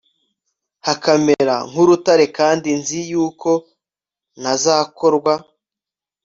hakamera nk urutare kandi nzi yuko ntazakorwa